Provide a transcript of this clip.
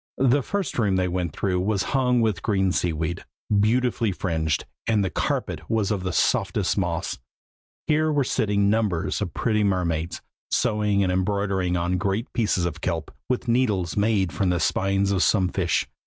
The first room they went through was hung with green sea weed, beautifully fringed, and the carpet was of softest moss. Here were sitting numbers of pretty mermaids, sewing and embroidering on great pieces of kelp, with needles made of the spines of some fish.